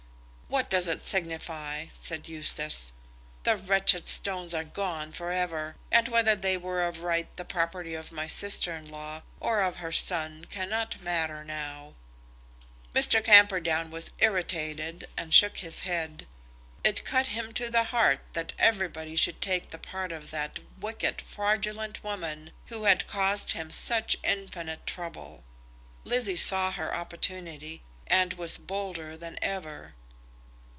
"What does it signify?" said Eustace. "The wretched stones are gone for ever; and whether they were of right the property of my sister in law, or of her son, cannot matter now." Mr. Camperdown was irritated, and shook his head. It cut him to the heart that everybody should take the part of the wicked, fraudulent woman who had caused him such infinite trouble. Lizzie saw her opportunity and was bolder than ever.